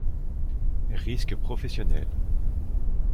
Risques professionnels.